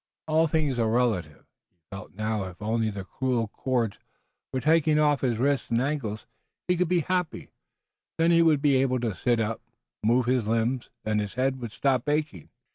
All things are relative. He felt now if only the cruel cords were taken off his wrists and ankles he could be happy. Then he would be able to sit up, move his limbs, and his head would stop aching.